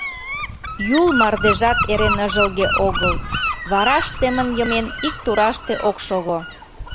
Юл мардежат эре ныжылге огыл, вараш семын йымен, ик тураште ок шого.